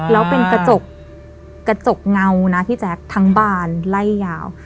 แล้วเป็นกระจกเงานะพี่แจ๊คทั้งบานไล่ยาว